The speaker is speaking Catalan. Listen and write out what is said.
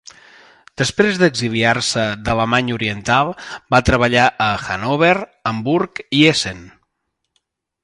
Després d'exiliar-se d'Alemanya Oriental va treballar a Hannover, Hamburg i Essen.